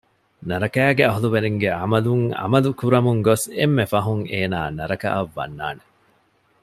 ނަރަކައިގެ އަހުލުވެރިންގެ ޢަމަލުން ޢަމަލު ކުރަމުން ގޮސް އެންމެ ފަހުން އޭނާ ނަރަކައަށް ވަންނާނެ